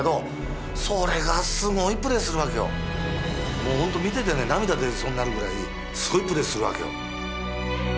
もうほんと見ててね涙出そうになるぐらいすごいプレーするわけよ。